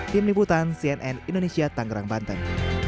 tim liputan cnn indonesia tangerang banten